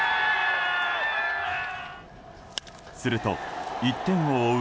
すると、１点を追う